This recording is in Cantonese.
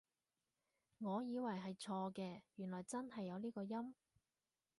我以為係錯嘅，原來真係有呢個音？